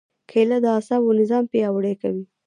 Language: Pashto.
کېله د اعصابو نظام پیاوړی کوي.